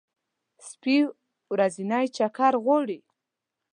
سپي ورځنی چکر غواړي.